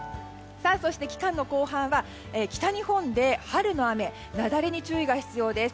そして、期間の後半は北日本で春の雨雪崩に注意が必要です。